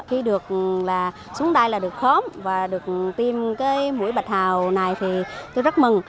khi được xuống đây là được khóm và được tiêm mũi bạch hầu này thì tôi rất mừng